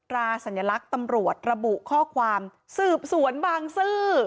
สัญลักษณ์ตำรวจระบุข้อความสืบสวนบางซื่อ